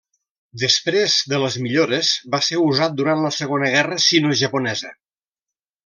Després de les millores, va ser usat durant la Segona Guerra Sinojaponesa.